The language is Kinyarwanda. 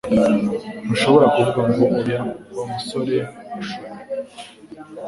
Ntushobora kuvuga ngo oya Wa musore urashobora